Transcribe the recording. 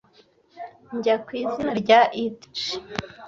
Njya ku izina rya "Itch."